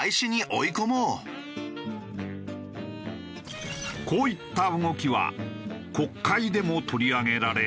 こういった動きは国会でも取り上げられ。